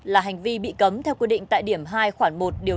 là hành vi bị cấm theo quy định tại điểm hai khoảng một điều